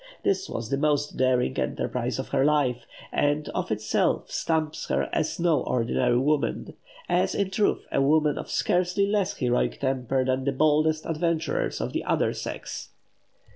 This was the most daring enterprise of her life, and of itself stamps her as no ordinary woman as, in truth, a woman of scarcely less heroic temper than the boldest adventurers of the other sex.